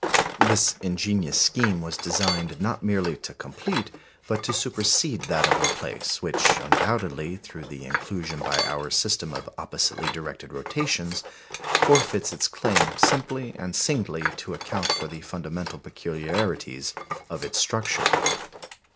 This ingenious scheme was designed, not merely to complete, but to supersede that of Laplace, which, undoubtedly, through the inclusion by our system of oppositely directed rotations, forfeits its claim simply and singly to account for the fundamental peculiarities of its structure.